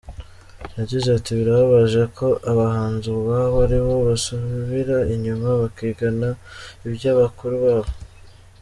Yagize ati : ”Birababaje ko abahanzi ubwabo ari bo basubira inyuma bakigana ibya bakuru babo.